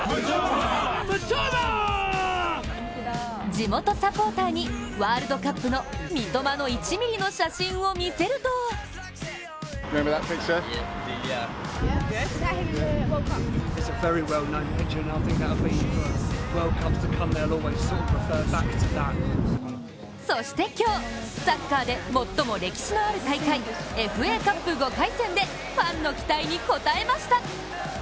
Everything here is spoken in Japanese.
地元サポーターにワールドカップの三笘の１ｍｍの写真を見せるとそして今日、サッカーで最も歴史のある大会、ＦＡカップ５回戦でファンの期待に応えました。